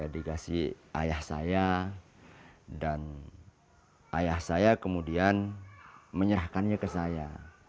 dikasih ayah saya dan ayah saya kemudian menyerahkannya ke saya